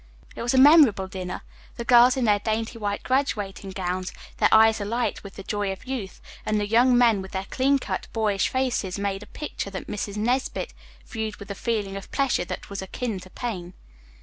It was a memorable dinner. The girls in their dainty white graduating gowns, their eyes alight with the joy of youth, and the young men with their clean cut, boyish faces made a picture that Mrs. Nesbit viewed with a feeling of pleasure that was akin to pain.